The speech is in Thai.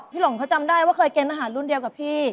หลงเขาจำได้ว่าเคยกินอาหารรุ่นเดียวกับพี่